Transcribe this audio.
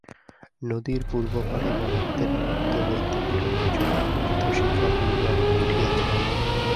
নদীর পূর্ব পারে বনান্তের মধ্য হইতে কিরণের ছটা ঊর্ধ্বশিখা হইয়া উঠিয়াছে।